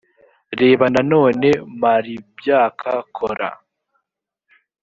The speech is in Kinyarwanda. reba nanone mar ibyak kor